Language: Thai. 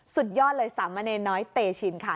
สุดยอดเลยสามเณรน้อยเตชินค่ะ